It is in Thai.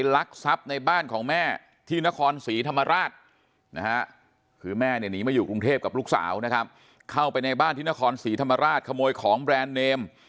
ลูกสาวนะครับเข้าไปในบ้านที่นครศรีธรรมราชขโมยของแบรนด์เนม